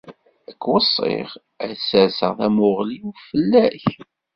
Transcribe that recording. Ad k-weṣṣiɣ, ad serseɣ tamuɣli-w fell-ak.